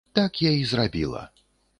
Так я і зрабіла.